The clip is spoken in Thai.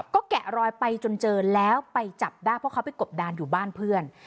ก็แกะรอยไปจนเจอแล้วไปจับได้เพราะเขาไปกบดานอยู่บ้านเพื่อน